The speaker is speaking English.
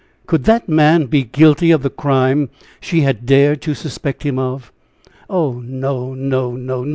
Could that man be guilty of the crime she had dared to suspect him of? Oh, no, no, no!